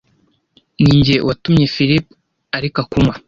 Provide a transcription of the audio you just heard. Ninjye watumye Philip areka kunywa.